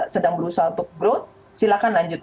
sedang berusaha untuk growth silakan lanjut